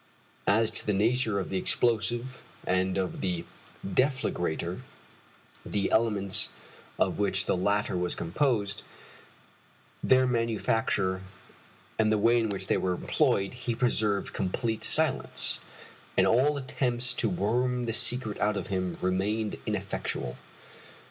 As to the nature of the explosive and of the deflagrator, the elements of which the latter was composed, their manufacture, and the way in which they were employed, he preserved complete silence, and all attempts to worm the secret out of him remained ineffectual.